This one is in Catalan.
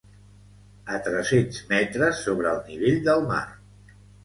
A tres-cents metres sobre el nivell del mar.